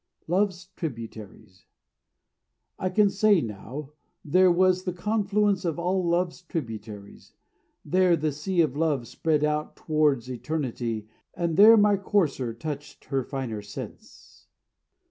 LOVE'S TRIBUTARIES I can say now, "There was the confluence Of all Love's tributaries; there the sea Of Love spread out towards eternity; And there my coarser touched her finer sense.